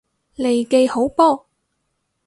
利記好波！